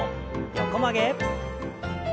横曲げ。